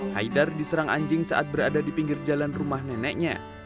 haidar diserang anjing saat berada di pinggir jalan rumah neneknya